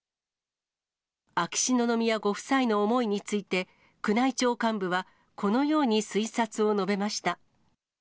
秋篠宮ご夫妻の思いについて、宮内庁幹部はこのように推察を述べました。